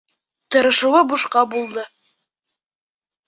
Тырышыуы бушҡа булды.